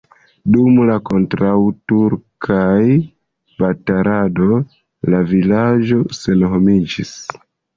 Dum la kontraŭturkaj bataladoj la vilaĝo senhomiĝis.